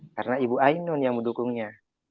karena ibu ainun yang mendukungnya